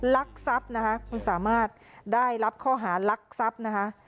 ลักทรัพย์นะคะคุณสามารถได้รับข้อหารักทรัพย์นะคะ